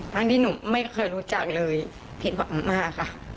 ทั้งที่หนูไม่เคยรู้จักเลยผิดหวังมากค่ะ